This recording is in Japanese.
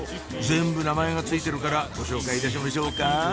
全部名前が付いてるからご紹介いたしましょうか？